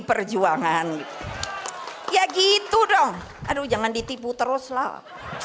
perjuangan ya gitu dong aduh jangan ditipu teruslah